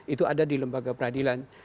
itu ada di lembaga peradilan